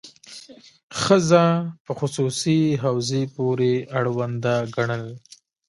ښځه په خصوصي حوزې پورې اړونده ګڼل.